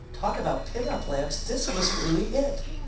Talk about pin up lamps ... this was really it!